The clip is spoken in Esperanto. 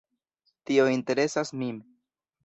Tio interesas min.